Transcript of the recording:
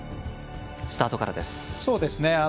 スタートからです。